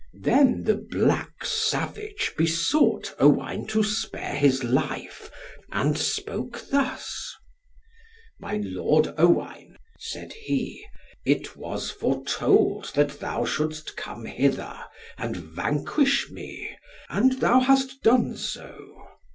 Then the black savage besought Owain to spare his life, and spoke thus, "My lord Owain," said he, "it was foretold, that thou shouldst come hither and vanquish me, and thou hast done so.